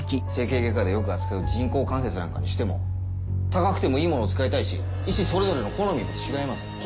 整形外科でよく扱う人工関節なんかにしても高くてもいいものを使いたいし医師それぞれの好みも違います。